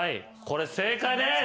これ正解です。